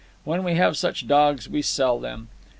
When we have such dogs, we sell them.